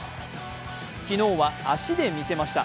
昨日は足で見せました。